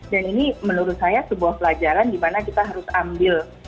dan ini menurut saya sebuah pelajaran di mana kita harus ambil